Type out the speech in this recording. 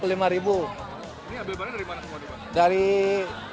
ini ambil barang dari mana semua